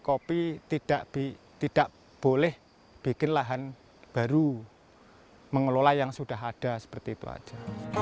kopi tidak boleh bikin lahan baru mengelola yang sudah ada seperti itu aja